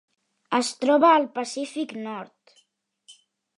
Es troba al Pacífic nord: